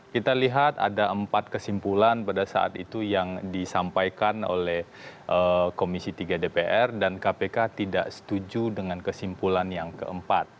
kita lihat ada empat kesimpulan pada saat itu yang disampaikan oleh komisi tiga dpr dan kpk tidak setuju dengan kesimpulan yang keempat